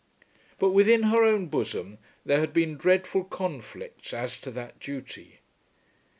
But within her own bosom there had been dreadful conflicts as to that duty.